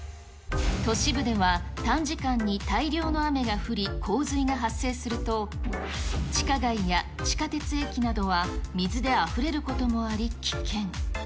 都市部では、短時間に大量の雨が降り、洪水が発生すると、地下街や地下鉄駅などは水であふれることもあり危険。